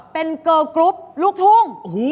เป็นเกอร์กรุ๊ปลูกทุ่ง